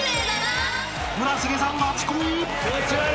［村重さんガチ恋？］